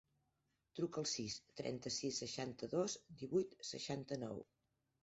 Truca al sis, trenta-sis, seixanta-dos, divuit, seixanta-nou.